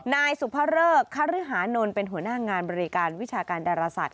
นายสุภเริกคฤหานนท์เป็นหัวหน้างานบริการวิชาการดาราศาสต